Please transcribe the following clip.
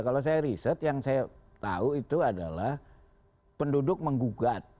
kalau saya riset yang saya tahu itu adalah penduduk menggugat